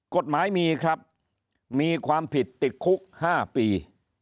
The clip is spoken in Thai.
กฎหมายมีครับมีความผิดติดคุก๕ปี